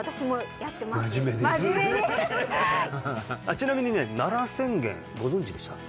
ちなみにね奈良宣言ご存じでした？